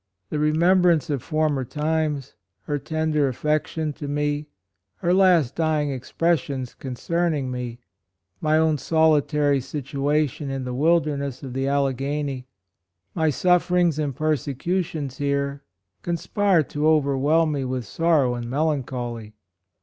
The remembrance of for mer times, her tender affection to me, her last dying expressions concerning me, my own solitary situation in the wilderness of the Alleghany, my sufferings and per secutions here, conspire to over whelm me with sorrow and melan choly.